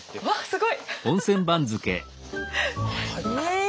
すごい！え！